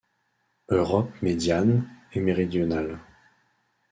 Europe médiane et méridionale.